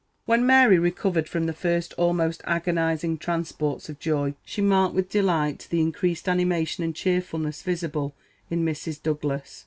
When Mary recovered from the first almost agonising transports of joy, she marked with delight the increased animation and cheerfulness visible in Mrs. Douglas.